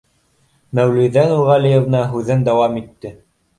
Мәүлиҙә Нурғәлиевна һүҙен дауам итте: